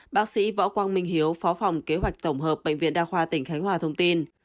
bác sĩ võ quang minh hiếu phó phòng kế hoạch tổng hợp bệnh viện đa khoa tỉnh khánh hòa thông tin